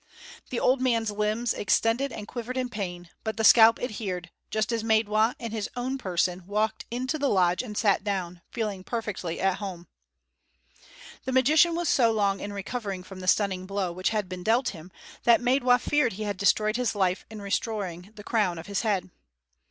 The old man's limbs extended and quivered in pain, but the scalp adhered, just as Maidwa, in his own person, walked into the lodge and sat down, feeling perfectly at home. The magician was so long in recovering from the stunning blow which had been dealt him, that Maidwa feared he had destroyed his life in restoring the crown of his head.